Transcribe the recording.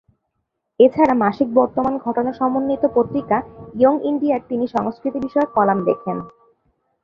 এছাড়া মাসিক বর্তমান ঘটনা সমন্বিত পত্রিকা ইয়ং ইন্ডিয়া'য় তিনি সংস্কৃতি বিষয়ক কলাম লেখেন।